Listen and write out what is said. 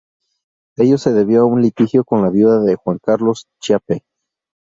Ello se debió a un litigio con la viuda de Juan Carlos Chiappe.